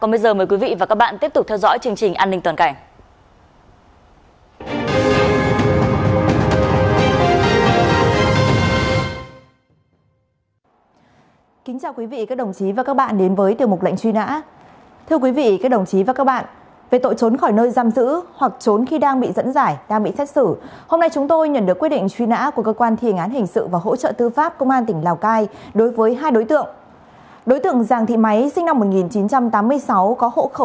còn bây giờ mời quý vị và các bạn tiếp tục theo dõi chương trình an ninh tuần cảnh